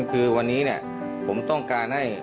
คือวันนี้ผมต้องการให้